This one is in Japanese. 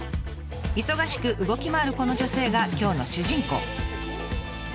忙しく動き回るこの女性が今日の主人公。